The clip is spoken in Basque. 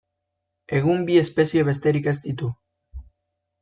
Egun bi espezie besterik ez ditu.